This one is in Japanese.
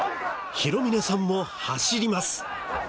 弘峰さんも走ります。